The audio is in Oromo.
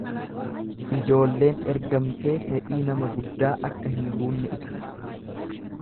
ljoolleen ergamtee fedhii nama guddaa akka hin guunne ibsa.